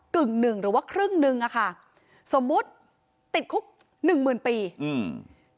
กึ่งหนึ่งหรือว่าครึ่งหนึ่งอ่ะค่ะสมมุติติดคุกหนึ่งหมื่นปีอืม